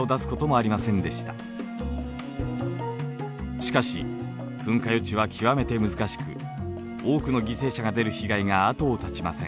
しかし噴火予知は極めて難しく多くの犠牲者が出る被害が後を絶ちません。